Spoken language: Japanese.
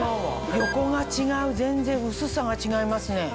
横が違う全然薄さが違いますね。